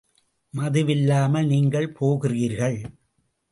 மதுவில்லாமல் நீங்கள் போகிறீர்கள்!